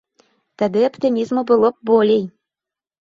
Тады аптымізму было б болей.